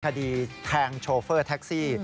คดีแทงโชเฟอร์แท็กซี่